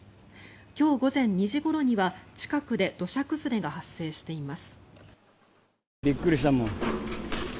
今日午前２時ごろには、近くで土砂崩れが発生しています。